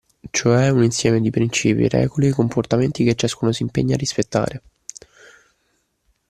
Cioè un insieme di principi, regole, comportamenti che ciascuno si impegna a rispettare.